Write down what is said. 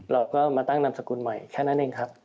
เราก็มาตั้งนามสกุลใหม่แค่นั้นเองครับ